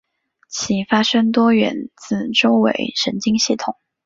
其发生多源自周围神经系统。